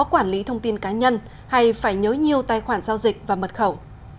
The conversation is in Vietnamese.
quản lý thông tin cá nhân hay phải nhớ nhiều tài khoản giao dịch và mật khẩu